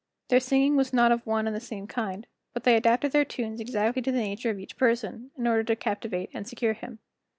Their singing was not of one and the same kind, but they adapted their tunes exactly to the nature of each person, in order to captivate and secure him.